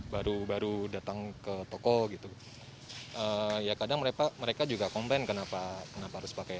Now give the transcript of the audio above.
baru baru datang ke toko gitu ya kadang mereka mereka juga komplain kenapa kenapa harus pakai